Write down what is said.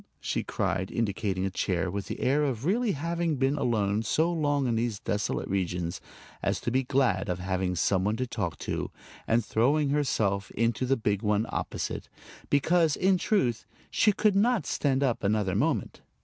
she cried, indicating a chair, with the air of really having been alone so long in these desolate regions as to be glad of having some one to talk to, and throwing herself into the big one opposite, because in truth she could not stand up another moment.